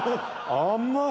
甘い！